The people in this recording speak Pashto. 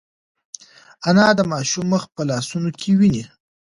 انا د ماشوم مخ په لاسونو کې ونیو.